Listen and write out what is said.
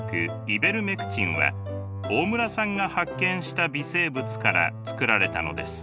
イベルメクチンは大村さんが発見した微生物から作られたのです。